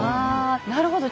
あなるほど。